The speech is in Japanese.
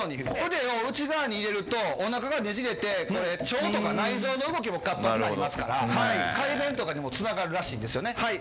腕を内側に入れるとお腹がねじれてこれ腸とか内蔵の動きも活発になりますから快便とかにも繋がるらしいんですよね。